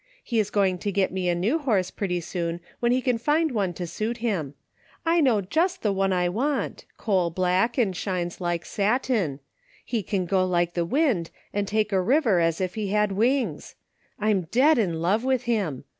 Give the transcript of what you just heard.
He's going to get me a new horse pretty soon when he can find one to suit him. I know just the one I want, coal blade and shines like saiin. He can go like the wind and take a river as if he had wings. Fm dead in love with him.